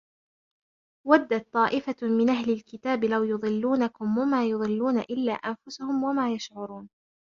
وَدَّتْ طَائِفَةٌ مِنْ أَهْلِ الْكِتَابِ لَوْ يُضِلُّونَكُمْ وَمَا يُضِلُّونَ إِلَّا أَنْفُسَهُمْ وَمَا يَشْعُرُونَ